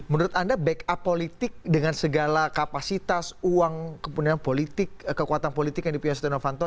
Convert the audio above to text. menurut anda backup politik dengan segala kapasitas uang kekuatan politik yang dipilih setia noh kanto